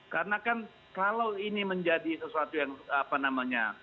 karena kan kalau ini menjadi sesuatu yang apa namanya